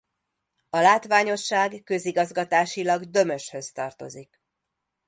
A látványosság közigazgatásilag Dömöshöz tartozik.